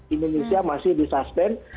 indonesia masih disuspend